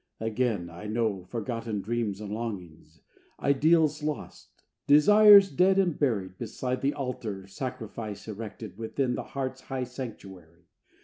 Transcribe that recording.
Again I know forgotten dreams and longings; Ideals lost; desires dead and buried Beside the altar sacrifice erected Within the heart's high sanctuary.